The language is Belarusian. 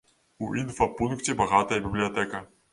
У інфапункце багатая бібліятэка.